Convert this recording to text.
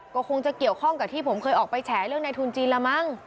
ก็คงจะเกี่ยวข้องกับที่ผมเคยออกไปแฉเรื่องในทุนจีนละมั้ง